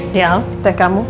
ya al teh kamu